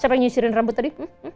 siapa yang nyisirin rambut tadi